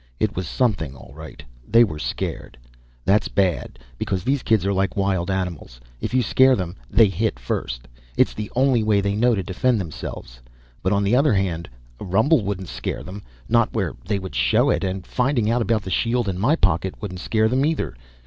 It was something, all right. They were scared. That's bad, because these kids are like wild animals; if you scare them, they hit first it's the only way they know to defend themselves. But on the other hand, a rumble wouldn't scare them not where they would show it; and finding out about the shield in my pocket wouldn't scare them, either.